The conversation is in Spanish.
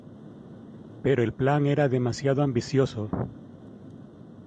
Pero el plan era demasiado ambicioso.